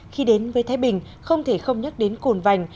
khi đến với thái bình không thể không nhắc đến cồn vành